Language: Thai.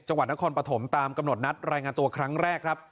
จังหวัดนครปฐมตามกำหนดนัดรายงานตัวครั้งแรกครับ